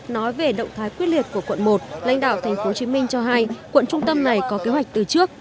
nói về động thái quyết liệt của quận một lãnh đạo tp hcm cho hay quận trung tâm này có kế hoạch từ trước